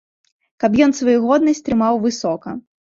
Каб ён сваю годнасць трымаў высока.